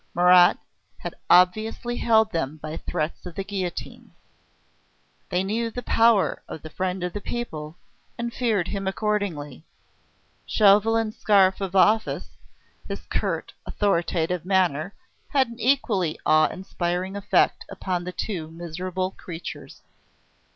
Marat had obviously held them by threats of the guillotine. They knew the power of the "Friend of the People," and feared him accordingly. Chauvelin's scarf of office, his curt, authoritative manner, had an equally awe inspiring effect upon the two miserable creatures.